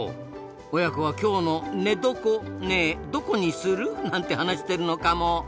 親子は今日の寝床ねどこにする？なんて話してるのかも。